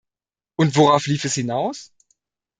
Und worauf lief es hinaus?